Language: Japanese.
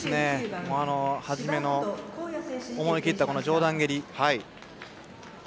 はじめの思い切った上段蹴り。